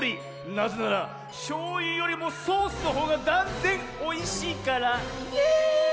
なぜならしょうゆよりもソースのほうがだんぜんおいしいから。ね！